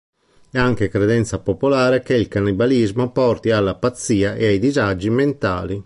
È anche credenza popolare che il cannibalismo porti alla pazzia e ai disagi mentali.